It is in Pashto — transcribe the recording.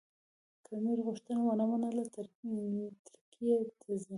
که امیر غوښتنه ونه منله ترکیې ته ځي.